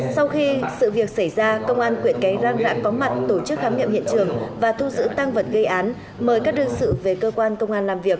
sau khi sự việc xảy ra công an quyện cái răng đã có mặt tổ chức khám nghiệm hiện trường và thu giữ tăng vật gây án